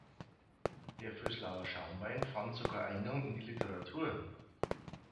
Der Vöslauer Schaumwein fand sogar Eingang in die Literatur.